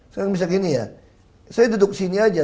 saya duduk sini aja